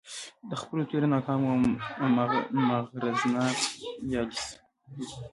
د خپلو تیرو ناکامو او مغرضانه يالیسیو